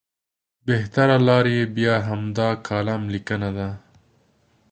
بهتره لاره یې بیا همدا کالم لیکنه ده.